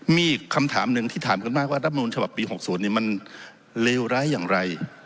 มีอีกคำถามหนึ่งที่ถามกันมากว่ารับนูลฉบับปี๖๐มันเลวร้ายอย่างไร